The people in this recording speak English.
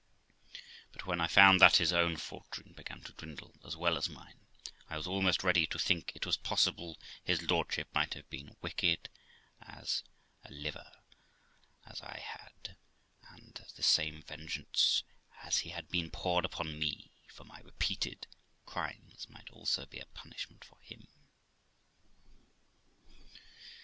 But when I found that his own fortune began to dwindle as well as mine, I was almost ready to think it was possible his lordship might have been as wicked a liver as I had, and the same vengeance as had been poured upon me for my repeated crimes might also be a punishment for him.